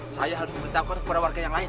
saya harus memberitahuan kepada warga yang lain